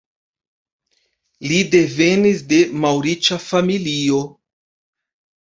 Li devenis de malriĉa familio.